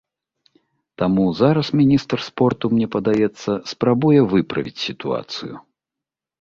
Таму зараз міністр спорту, мне падаецца, спрабуе выправіць сітуацыю.